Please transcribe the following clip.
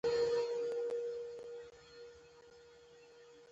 ځغاسته د ښو اخلاقو سره مرسته کوي